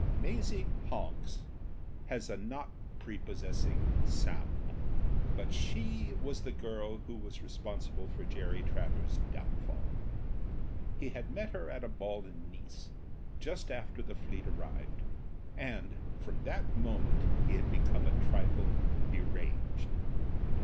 Maisie Honks has not a prepossessing sound; but she was the girl who was responsible for Jerry Traverses down fall. He had met her at a ball in Nice just after the Fleet arrived, and, from that moment he had becc«ne a trifle deranged.